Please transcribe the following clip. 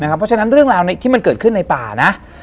เพราะฉะนั้นเรื่องราวที่มันเกิดขึ้นในป่านะ